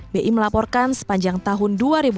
bi melaporkan sepanjang tahun dua ribu delapan belas